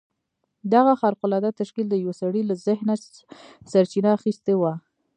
دغه خارق العاده تشکيل د يوه سړي له ذهنه سرچينه اخيستې وه.